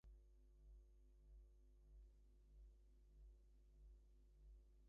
Weber was on the call for several notable races as lap-by-lap announcer.